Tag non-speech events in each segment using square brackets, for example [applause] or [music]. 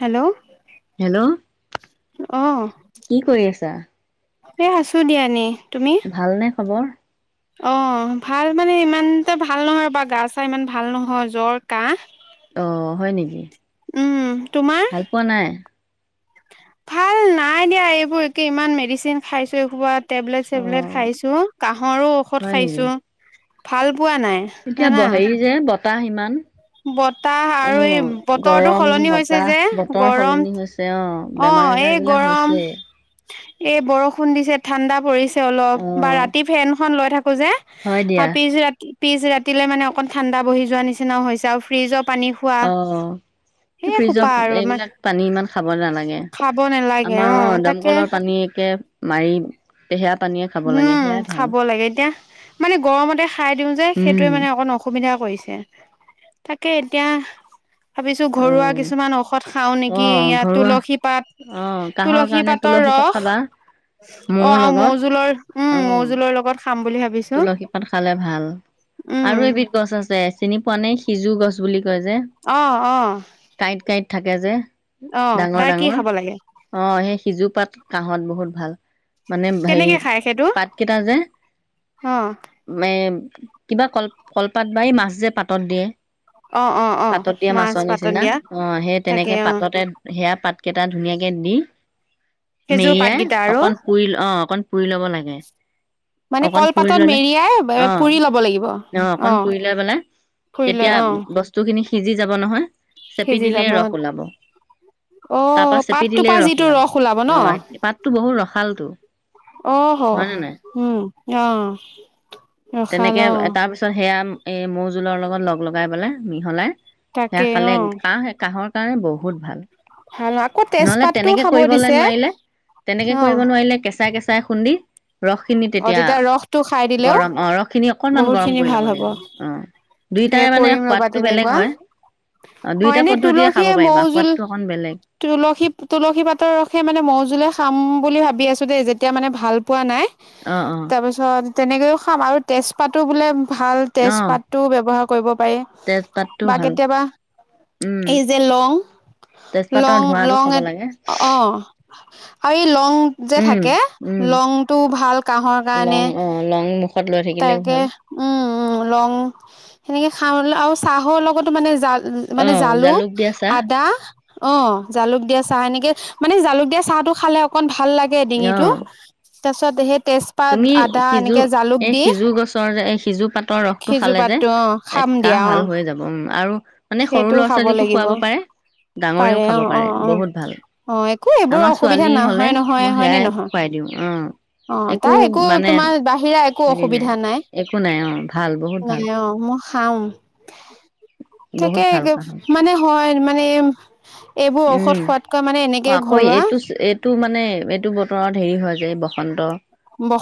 Hello. Hello কি কৰি আছা? এ আছো দিয়া এনেই। তুমি ভালনে খবৰ? অ' ভাল মানে ইমান এটা ভাল নহয় বা - গা চা ইমান ভাল নহয় জ্বৰ কাহ। অ' হয় নেকি? উম তোমাৰ ভাল পোৱা নাই? ভাল নাই দিয়া এইবোৰ একে ইমান মেডিচিন খাইছো এইসোপা টেবলেট অ চেবলেট খাইছো। কাঁহৰো ঔষধ হয় নেকি খাইছো। ভাল পোৱা নাই জানা? তাহ ইমান বতাহ অ আৰু এই বতৰটো গৰম সলনি হৈছে বতাহ যে বতৰ গৰম সলনি হৈছে অ বেমাৰ অ' আজাৰ এই বিলাক গৰম হৈছে এ বৰষুণ দিছে, ঠাণ্ডা পৰিছে অলপ অ বা ৰাতি ফেন খন লৈ থাকো যে হয় দিয়া আৰু পিছ ৰাতি পিছ ৰাতিলে মানে অকণ ঠাণ্ডা বহি যোৱা নিচিনাও হৈছে আৰু ফ্ৰীজ অত অ' সোপা ফ্ৰিজৰ আৰু ইমান এইবিলাক পানী ইমান খাব নালাগে গে। খাব নালাগে আমাৰ অ তাকে দমকলৰ পানী একে মাৰি পে সেয়াত উম খাব লাগে এতিয়া মানে গৰমতে খাই দিও যে সেইটোৱে উম মানে অকন অসুবিধা কৰিছে তে তাকে এতিয়া ভাৱিছো অ ঘৰুৱা কিছুমান ঔষধ খাও অ নেকি ইয়াত ঘৰুৱা তুলসী পাত অ কাহৰ তুলসী কাৰণে পাতৰ তুলসী পাত ৰস খাবা অ মৌৰ আৰু লগত মৌজুল জোলৰ, উম অ মৌ জোলৰ লগত খাম বুলি ভাৱি তুলসী পাত খালে ভাল উম আৰু এবিধ গছ আছে এ চিনি পোৱানে সিজু গছ বুলি কয় যে? অ অ কাঁইট কাঁইট থাকে যে? অ ডাঙৰ তাৰ কি ডাঙৰ খাব লাগে অ' সেই সিজু পাত কাঁহত বহুত ভাল মানে ম হেৰি কেনেকে খাই সেইটো পাতকেইটা যে অ এ কিবা কল - কলপাত বা এই মাছ যে পাতত দিয়ে অ অ অ পাতত দিয়া মাছ মাছৰ পাতত নিচিনা দিয়া অ সেই তাকে তেনেকে অ পাততে সেয়া পাত কেইটা ধুনীয়াকে দি সেইযোৰ মেৰিয়াই পাতকেইটা আৰু অকণ পুৰি ল অ অকণ পুৰি ল'ব লাগে অকণ পাতত মেৰিয়াই এই পুৰি ল'ব লাগিব অকন অ পুৰি লৈ পেলাই পুৰি লৈ তেতিয়া অ বস্তু খিনি সিজি যাব নহয়? চেপি সিজি দিলে যাব! ৰস ওলাব অ তাৰ পৰা চেপি দিলে পাতটোপা যিটো ৰস ওলাব অ ন? পাতটো বহুত ৰসালটো অ হ হয় হ নে নাই উম অহ। তেনেকে তাৰ পিছত সেয়া ম এই মৌজুলৰ লগত লগ লগাই পেলাই মিহলাই সেয়া তাকে খালে অ কাঁহ এই কাঁহৰ তাৰে বহুত ভাল। ভাল আকৌ নহলে তেজপাতটোও তেনেকে খাব কৰিবলৈ দিছে নোৱাৰিলে, তেনেকে অ কৰিব নোৱাৰিলে কেঁচাই কেঁচাই খুন্দি ৰসখিনি তেতিয়া টো খাই দিলেও গৰম অ ৰস খিনি অকনমান বহুত গৰম খিনি কৰি ভাল ল'ব হ'ব। লাগিব অ এ দুইটাৰে মানে কৰিম ৰবা সোৱাদটো বেলেগ তেনেকুৱা। হয় অ দুইটা এনে পদ্ধতিৰে খাব তুলসীয়ে মৌ পাৰিবা জুল, সোৱাদটো অকন বেলেগ তুলসী - তুলসী পাতৰ ৰসে মানে মৌজুলে খাম বুলি ভাবি আছো দেই যেতিয়া মানে ভাল পোৱা নাই। অ অ তাৰপিছত তেনেকৈও খাম আৰু তেজপাতো বোলে ভাল অ', তেজপাতটো ব্যৱহাৰ কৰিব পাৰেি তেজপাতটো বা ভাল। কেতিয়াবা উম, এই যে লং - তেজপাতৰ লং ধোঁৱাটো -লং খাব এ লাগে। অ' আৰু এই লং যে উম, থাকে, উম, লং টো ভা ভাল কাহৰ কাৰণে লং অ', লং মুখত লৈ থাকিলেও তাকে ভাল। উম উ লং সেনেকে খাও আৰু চাহৰ লগতো মানে জাল উ মানে অ', জালুক দিয়া চাহ আদা অ জালুক দিয়া চাহ এনেকে মানে জালুক দিয়া চাহটো খালে অকন ভাল লাগে ডিঙিটো অ', ত তদহেত তেজপাত তুমি আদা সিজু এনেকে জালুক এই দি সিজু গছৰ যে এই সিজু পাত পাতৰ ৰসটো খালে যে সিজোপাতটো অ এই খাম কাহ দিয়া অ ভাল হৈ যাব উম আৰু মানে সৰু সেইটো ল'ৰা খাব ছোৱালীকো লাগিব খুৱাব পাৰে ডাঙৰেও খাব অ অ পাৰে অ বহুত ভাল অ একো এইবোৰ আমাৰ অসুবিধা ছোৱালী হলে নহয় নহয় মই সেয়াই খুৱাই দিওঁ উ তাই একো তোমাৰ বাহিৰা একো অসুবিধা নাই একো নাই অ', ভাল বহুত নাই ভাল অ মই খাও বহুত তাকে ভাল কাহৰ। মানে হয় মানে এইবোৰ উম ঔষধ খোৱাতকৈ মানে এনেকে আকৌ ঘৰুৱা এইটো এইটো মানে এইটো বতৰত হেৰি হয় যে বসন্ত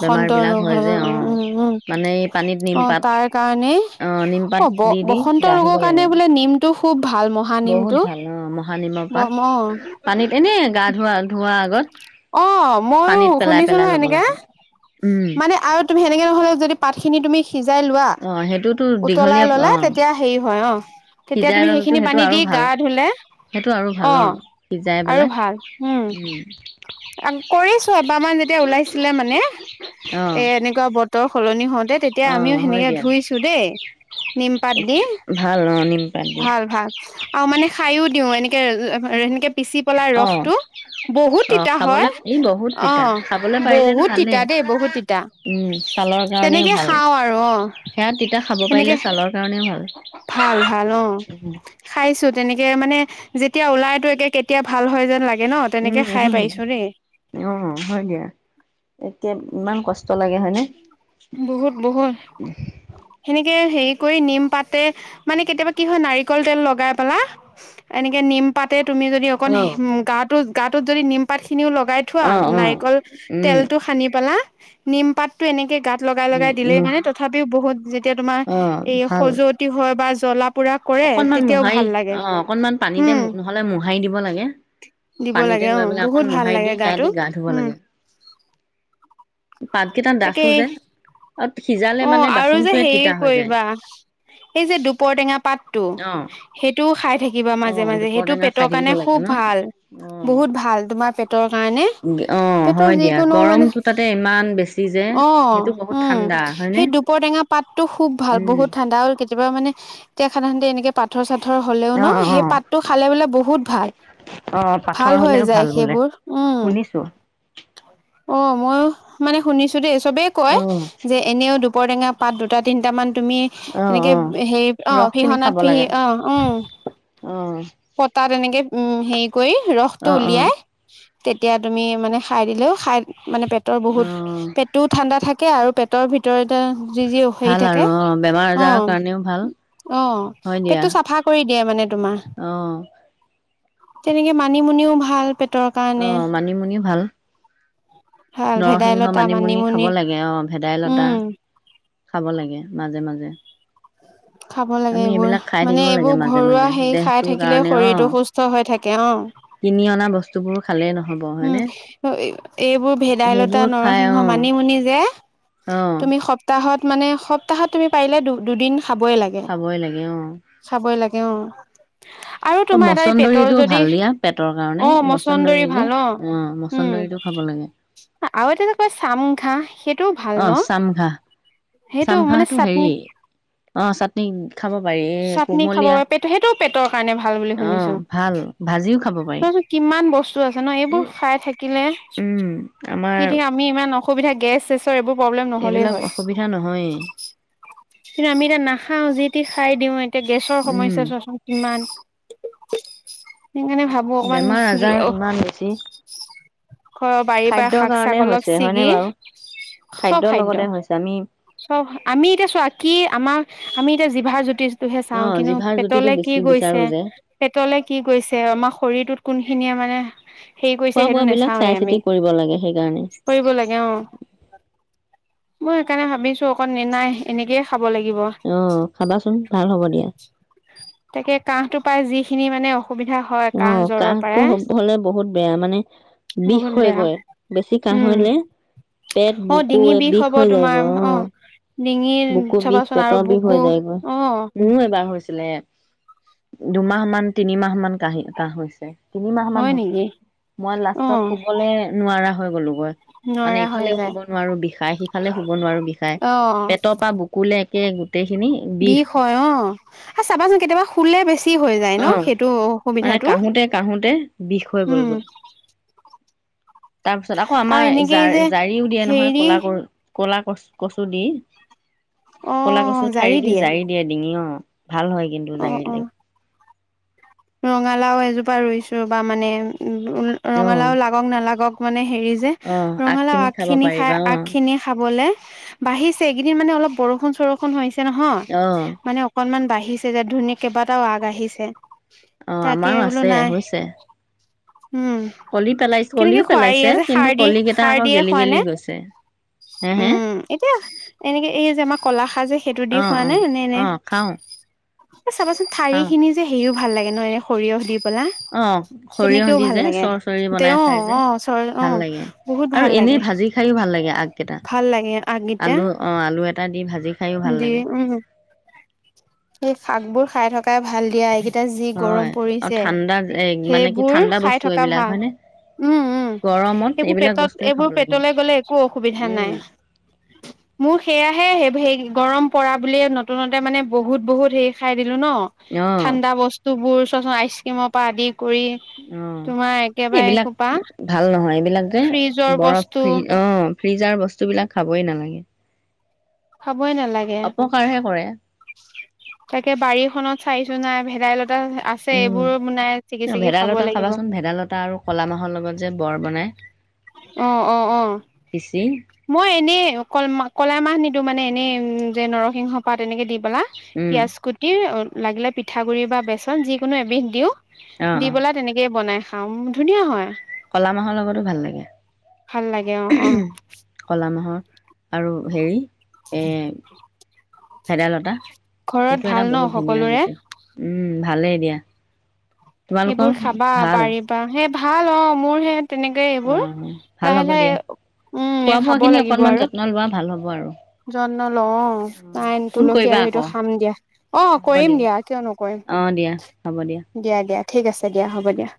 বেমাৰ বিলাক ৰোগ হয় যে অ উম মানে এই পানীত উম অ নিমপাত তাৰ কাৰণে অ নিমপাত অ ব দি দি বসন্ত গা ধুব ৰোগৰ কাৰণে লাগে বোলে নিমটো খুব ভাল বহুত মহানিমটো ভাল অ মহানিমৰ পাত বম পানীত এনেই গা ধোৱা ধো অ ময়ো পেলাই শুনিছো ন পেলাই ল'ব এনেকে লাগে উম মানে আৰু তুমি সেনেকে নহলে যদি পাতখিনি তুমি সিজাই লোৱা অ সেইটোতো উতলাই দীঘলীয়া ললা অ তেতিয়া হেৰি হয় অ তেতিয়া সিজাই তুমি ল'লেতো সেইখিনি সেইটো পানী আৰু দি ভাল গা ধুলে সেইটো আৰু ভাল অ সিজাই আৰু পেলাই ভাল উম কৰিছো এবাৰমান যেতিয়া উলাইছিলে মানে অ এ এনেকুৱা বতৰ সলনি হওঁতে তেতিয়া অ আমিও হয় সেনেকে দিয়া ধুইছো দেই নিমপাত দি ভাল অ নি ভাল ভাল আৰু মানে খায়ো দিওঁ এনেক এক [unintelligible] অ অ তিতা হয় খাবলৈ ই বহুত অ তিতা খাবলৈ পাৰিলে বহুত তিতা ভালেই দেই বহুত তিতা উম ছালৰ কাৰণেও তেনেকে ভাল খাওঁ আৰু অ সেয়া তিতা খাব তেনেকে পাৰিলে ছালৰ কাৰণেও ভাল ভাল ভাল অ খাইছো তেনেকে মানে যেতিয়া ওলাইতো একে কেতিয়া ভাল হয় যেন লাগে ন উম তেনেকে খাই উম পাইছো দেই অ হৈ গে কে ইমান কষ্ট লাগে হয়নে বহুত বহুত সেনেকে হেৰি কৰি নিম পাতে মানে কেতিয়াবা কি হয় নাৰিকল তেল লগাই পেলা এনেকে নিম পাতে তুমি যদি অকণ অ গাটো গাটোত যদি নিম পাত খিনিও লগাই থোৱা অ উম নাৰিকল তেল টো সানি পেলা নিম পাতটো এনেকে গাত লগাই লগাই দিলেই উম মানে তথাপিও বহুত যেতিয়া তোমাৰ অ এই ভাল সজুৱতি হয় বা চলপ অকনমান মোহাৰি অ অকনমান পানীতে উম নহলে মোহাৰি দিব লাগে দিব পানীতে লাগে অ লৈ পেলাই অকন বহুত ভাল মোহাৰি দি লাগে সেয়া গাটো দি গা ধুব উম লাগে পাতকেইটা তাকে ডাঠো যে আৰু সিজালে অ মানে আৰু যে বাচনটোৱে হেৰি তিতা হৈ যায় কৰিবা এই যে দুপৰ টেঙা পাতটো অ সেইটোও খাই থাকিবা মাজে অ', মাজে দুপৰ সেইটো টেঙা পেটৰ খাই থাকিব কাৰণে লাগে খুব ন? ভাল অ', বহুত ভাল তোমাৰ পেটৰ কাৰণে অ', পেটৰ হয় দিয়া যিকোনো মানে গৰমটো তাতে ইমান বেছি যে অ সেইটো বহুত উম ঠাণ্ডা হয়নে? সেই দুপৰটেঙা পাতটো খুব ভাল উম। বহুত ঠাণ্ডা হ'ল কেতিয়াবা মানে এতি সাধাৰণতে এনেক পাৰ চ পথৰ হলেও অ', অ', ন সেই অ', পাতটো খালে বোলে বহুত ভাল অ', ভাল পাথৰ হৈ হ'লেও যায় ভাল বোলে সেইবোৰ উম শুনিছোঁ। অ ময়ো মানে শুনিছো এ চবে কয় অ', যে এনেও দুপৰটৰেঙাত দুটা তিনিটামান তুমি অ', এনেকে অ', হেৰি অ ৰস খিনি ফিহনাত খাব ফহি লাগে অ অ অ'। পটাত এনেকে উম সেই কৰি ৰসটো অ', অ', উলিয়াই তেতিয়া তুমি মানে খাই দিলেও খাই মানে পেটৰ বহুত অ', পেট টো ঠাণ্ডা থাকে থাকে আৰু পেটৰ ভিতৰত যি যি হেৰি ভাল থাকে আৰু অ', বেমাৰ অ আজাৰৰ কাৰণেও ভাল। আহ হয় দিয়া পেটটো চাফা কৰি দিয়ে মানে তোমাৰ অ', তেনেকে মানিমুনিও ভাল প অ মানিমুনি ভাল ভাল নৰসিংহ মানে ভেদাইলতা মানি মুনি খাব মানিমুনি লাগে অ ভেদাইলতা উম খাব লাগে মাজে মাজে খাব লাগে আমি এইবোৰ এইবিলাক খাই মানে থাকিব লাগে এইবোৰ মাজে ঘৰুৱা মাজে সেই খাই দেহটোৰ থাকিলে কাৰণে অ শৰীৰটো সুস্থ হৈ থাকে অ কিনি অনা বস্তুবোৰ খালেই নহব উম হয়নে এইবোৰ ভেদ ভেদাইলতা সেইবোৰ খাই অ নৰসিংহ মানিমুনি যে অ তুমি সপ্তাহত মানে সপ্তাহত তুমি পাৰিলে দু দুদিন খাবই লাগে খাবই লাগে অ খাবই লাগে অ আৰু অ তোমাৰ এটা পেটৰ মচন্দৰীতটো যদি ভাল দিয়া পেটৰ কাৰণে অ মচন্দৰী মছন্দৰী ভাল অ উম আৰু এটা কয় চামঘা সেইটো ভাল অ ন চামঘাঁহ সেইটো মানে চামঘাঁহটো চাটনি হেৰি অ চাটনি খাব পাৰি এই চাটনি খাব প কোমলীয়া পেট সেইটোও পেটৰ কাৰণে ভাল বুলি অ শুনিছো ভাল ভাজিও খাব ত পাৰি কিমান বস্তু আছে ন ই এইবোৰ খাই থাকিলে উম আমাৰ কি থ আমি ইমান অসুবিধা গেছ চেছৰ এইবোৰ প্ৰবম্বলেন নহ'লে এইবিলাক হয় অসুবিধা নহয়েই কিন্তু আমি এতিয়া নাখাও খাই দিওঁ এতিয়া গেছৰ উম সমস্যা চোৱাচোন কিমান সেইকাৰণে ভাবো অকমান বেমাৰ আজাৰ ইমান বেছি ঘৰৰ বাৰীৰ পৰা খাদ্যৰ শাক চাক কাৰণে অলপ হৈছে হয়নে ছিগি বাৰু চব খাদ্যৰ খাদ্য লগতে হৈছে আমি চব আমি এতিয়া চোৱা কি আমাৰ আমি এতিয়া ভাত জ্যোতি টোহে অ চাও কিন্তু জিভাৰ জুতিটো পেটলে কি বেছি গৈছে বিচাৰো যে পেটলে কি গৈছে আমাৰ শৰীৰটোত কোনখিনি আমাৰ উ সেই কৰিছে খোৱা সেইটো বোৱা বিলাক নাচাওঁৱে চাই আমি চিতি কৰিব লাগে সেইকাৰণে কৰিব লাগে অ মই সেইকাৰণে ভাবিছো অকণ ন নাই এনেকে খাব লাগিব অ খাবাচোন ভাল হ'ব দিয়া তাকে কাহটো [unintelligible] হয় ম কাহ জ্বৰৰ কাহটো পৰাই হলে বহুত বেয়া মানে বিষ বহুত হৈ বেয়া গৈ বেছি কাহ উম হলে পেট অ বুকু বিষ হৈ যায়গৈ অ ডিঙিৰ চাবাচোন আৰু বুকু অ মোৰ এবাৰ হৈছে আছিলে দুমাহ মান তিনিমাহ মান কাহি কাহ হৈছে তিনি মাহ মান হয় হৈছে নেকি মই অ লাষ্টত শুবলৈ নোৱাৰা হৈ গ'লো গৈ মানে নোৱাৰা হৈ ইফালেও যায় শুব নোৱাৰো বিষাই সিফালে শুব নোৱাৰো বিষাই অ পেটৰ পৰা বুকু [unintelligible] বিষ হয় অ' চাবাচোন কেতিয়াবা শুলে বেছি হৈ যায় ন অ সেইটো মানে অসুবিধাটো। কাহোতে কাহোতে বিষ হৈ গ'লগৈ। তাৰপিছত আকৌ আৰু আমাৰ এনেকেই জাৰ যে জাৰিও দিয়ে নহয় হেৰি ক'লা গৰু। ক'লা কচ কচু দি। কলা কচু ঠাৰি দি জাৰি দিয়ে ডিঙি অ' ভাল হয় কিন্তু অ', অ'। জাৰিলেও। ৰঙালাও এজোপা ৰুইছো ৰবা মানে উ, অ। ৰঙালাও লাগক নালাগক। মানে হেৰী যে অ ৰঙালাও আগখিনি আগ খাব খিনি খাই পাৰিবা অ আগ খিনি খাবলে বাঢ়িছে এইকেইদিন মানে অলপ বৰষুণ বৰষুণ চৰষুণ হৈছে অ নহয় মানে অকনমান বাহিৰ আহিছে যে ধুনীয়া কেইবাটাও আগ আহিছে। অ' তাকে আমাৰো বোলো আছে নাই হৈছে। [unintelligible] কলি পেলাইছে কেনেকে কলিও খোৱা পেলাইছে এইয়া যে কিন্তু সাৰ দি সাৰ দিয়ে খোৱা নে হে হে উম এতিয়া এনেকে এই যে আমাৰ কলাখাৰ যে সেইটো অ দি হোৱা অ নাই অ নে? খাওঁ চাবাচোন ঠাৰি খাওঁ খিনি যে হেৰি ভাল লাগে নহ এনে সৰিয়হ দি পেলা অ সৰিয়হ তেনেকেও দি ভাল যে লাগে চৰ্ চৰি বনাই তেওঁ খাই যে অ চ অ ভাল লাগে বহুত ভাল আৰু লাগে এনেই ভাজি খাইও ভাল লাগে আগকেইটা। ভাল লাগে আগগিতা আলু অ আলু এটা দি ভাজি খায়ো ভাল দি লাগে ও। স শাক বোৰ খাই থকাই ভাল দিয়া এইগিদিন এতিয়া যি গৰম হয় আৰু পৰিছে ঠাণ্ডা এ মানে কি সেইবোৰ ঠাণ্ডা খাই বস্তু থকা এইবিলাক ভাল হয়নে উম উম গৰমত এইবোৰ এইবিলাক পেটত বস্তুৱে খাব এইবোৰ লাগে পেটলৈ 'গলে একো অসুবিধা নাই উম মোৰ সেয়াহে সেই সেই গৰম পৰা বুলিয়ে নতুনত মানে বহুত বহুত হেৰী খাই দিলোঁ ন, অ ঠাণ্ডা বস্তুবোৰ আইচক্ৰীমৰ পৰা আদি কৰি অ তোমাৰ একেবাৰে এইবিলাক এসোপা ভাল নহয় এইবিলাক যে ফ্ৰিজৰ বৰফ বস্তু ফ্ৰীজ অ' ফ্ৰিজৰ বস্তুবিলাক খাবই নালাগে খাবই নালাগে অপকাৰহে কৰে তাকে বাৰীখনত চাইছো নাই জাই লটী উম খাব ভেদাইলতা লাগিব খাবাচোন ভেদাইলতা আৰু ক'লা মাহৰ লগত যে বৰ বনাই আহ আহ আহ পিচি মই এনেই ক কলা মাহ নিদো মানে এনে উম যে নৰসিংহ পাত এনেকে দি ালা উম পিয়াজ কুটিৰ লাগিলে পিঠাগুডৰিি বা বেচন যিকোনো এবিধ দিও অ দি অ পেলা তেনেকেই বনাই খাম ধুনীয়া হয় ক'লা মাহৰ লগতো ভাল লাগে ভাল লাগে অ অ কলা মাহৰ আৰু হেৰি এ ভেদাইলতা ঘৰত সেইটো এটা ভাল ন বহুত ধুনীয়া সকলোৰে জুতি উম ভালেই দিয়া তোমালোকৰ এইবোৰ খাবা ভাল পাৰিবা সেই ভাল অ মোৰ সে তেনেকয় অ এইবোৰ ভাল লাহে হ'ব লাহে দিয়া উম খোৱা বোৱা খাব খিনি লাগিব অকনমান আৰু যত্ন লোৱা ভাল হ'ব আৰু যত্ন লওঁ অ নাইন ফোন তুলসী কৰিবা আৰু সেইটো আকৌ খাম দিয়া অ কৰিম দিয়া কিয় নকৰিম অ দিয়া হ'ব দিয়া দিয়া ঠিক আছে দিয়া হ'ব দিয়া